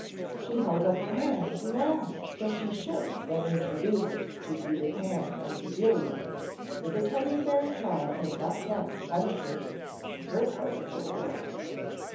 She held up her hands and laughed till she shook when introduced to Peter Pan and Bedelia, for the Teddy bear tribe had not yet penetrated to her part of the world.